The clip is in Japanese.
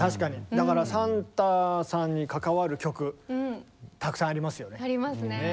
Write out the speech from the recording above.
だからサンタさんに関わる曲たくさんありますよね。ありますね。